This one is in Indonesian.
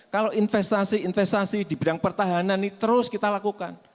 kalau investasi investasi di bidang pertahanan ini terus kita lakukan